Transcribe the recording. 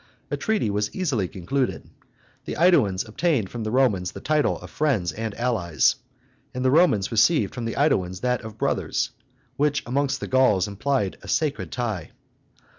A treaty was easily concluded. The AEduans obtained from the Romans the title of friends and allies; and the Romans received from the AEduans that of brothers, which amongst the Gauls implied a sacred tie.